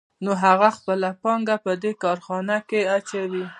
نو هغه خپله پانګه په دې کارخانه کې اچوي